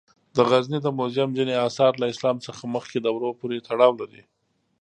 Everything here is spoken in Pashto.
د غزني د موزیم ځینې آثار له اسلام څخه مخکې دورو پورې تړاو لري.